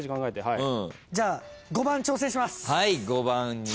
じゃあ５番挑戦します。